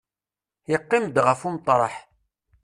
Yeqqim-d ɣef umeṭreḥ.